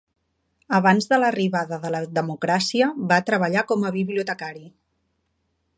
Abans de l'arribada de la democràcia, va treballar com a bibliotecari.